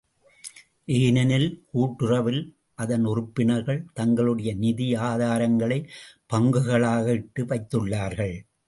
ஏனெனில் கூட்டுறவில் அதன் உறுப்பினர்கள் தங்களுடைய நிதி ஆதாரங்களைப் பங்குகளாக இட்டு வைத்துள்ளார்கள்.